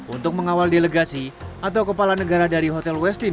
untuk mengawal delegasi atau kepala negara dari hotel westin